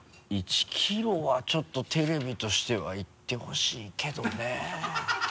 １ｋｇはちょっとテレビとしてはいってほしいけどね。